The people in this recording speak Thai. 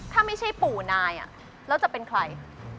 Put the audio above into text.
ถ้าไม่ใช่ปู่นายแล้วจะเป็นใคร